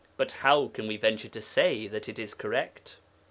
But how can we venture to say that it is correct?